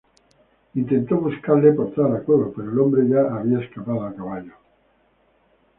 Intentó buscarle por toda la cueva, pero el hombre ya había escapado a caballo.